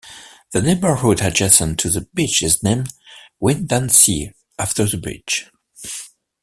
The neighborhood adjacent to the beach is named Windansea after the beach.